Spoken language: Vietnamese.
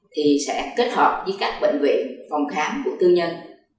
thì sẽ kết hợp với các bệnh viện phòng khám của tư nhân